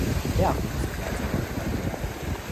De acum, situația va fi mai bună.